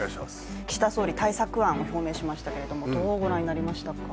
岸田総理、対策案を表明しましたけどどうご覧になりましたか？